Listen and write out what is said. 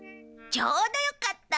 ちょうどよかった。